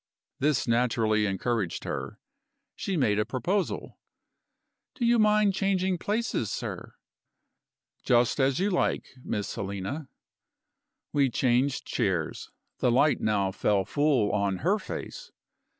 This naturally encouraged her. She made a proposal: "Do you mind changing places, sir?" "Just as you like, Miss Helena." We changed chairs; the light now fell full on her face.